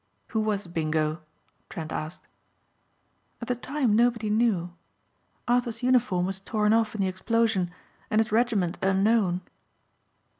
'" "Who was Bingo?" Trent asked. "At the time nobody knew. Arthur's uniform was torn off in the explosion and his regiment unknown."